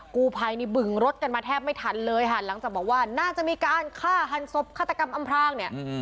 กู้ภัยนี่บึงรถกันมาแทบไม่ทันเลยค่ะหลังจากบอกว่าน่าจะมีการฆ่าหันศพฆาตกรรมอำพรางเนี่ย